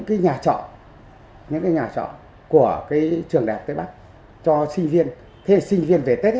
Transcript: ở khu vực này dân cư là hoàn toàn là những nhà trọ của trường đại học tây bắc cho của sinh viên về tết